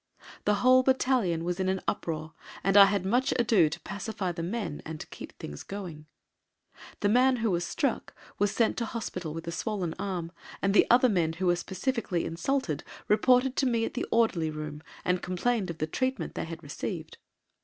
The whole battalion was in an uproar, and I had much ado to pacify the men and keep things going. The man who was struck was sent to Hospital with a swollen arm, and the other men who were specifically insulted reported to me at the orderly room and complained of the treatment they had received.